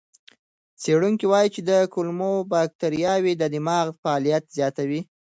څېړونکي وایي چې کولمو بکتریاوې د دماغ فعالیت زیاتوي.